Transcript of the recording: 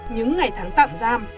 những ngày tháng tạm giam